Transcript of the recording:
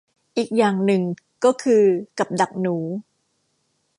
อีกอย่างหนึ่งก็คือกับดักหนู